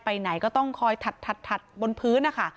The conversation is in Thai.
ไปไหนก็ต้องคอยถัดบนพื้นนะคะ